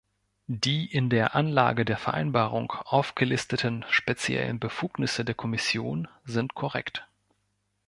Die in der Anlage der Vereinbarung aufgelisteten speziellen Befugnisse der Kommission sind korrekt.